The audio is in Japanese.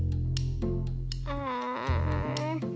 ああ。